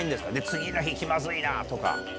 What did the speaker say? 次の日気まずいなとか。